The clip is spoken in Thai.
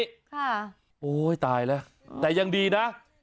ค่ะโอ้ยตายแล้วแต่ยังดีนะ